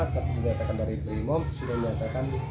tapi dinyatakan dari berimom sudah dinyatakan